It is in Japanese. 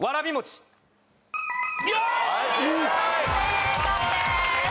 正解です。